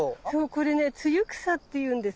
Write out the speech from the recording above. これねツユクサっていうんです。